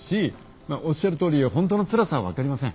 おっしゃるとおり本当のつらさは分かりません。